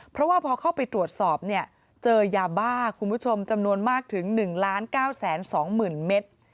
เพราะว่าพอเข้าไปตรวจสอบเนี่ยเจอยาบ้าคุณผู้ชมจำนวนมากถึง๑๙๒๐๐๐เมตร